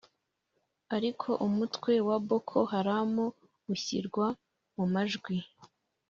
ariko umutwe wa Boko Haramu ushyirwa mu majwi